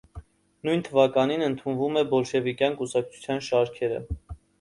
Նույն թվականին ընդունվում է բոլշևիկյան կուսակցության շարքերը։